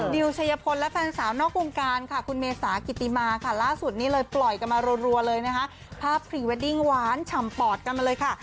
ดิวชัยพลและแฟนสาวนอกวงการค่ะคุณเมษากิติมาค่ะล่าสุดนี้เลยปล่อยกันมารัวเลยนะคะภาพพรีเวดดิ้งหวานฉ่ำปอดกันมาเลยค่ะ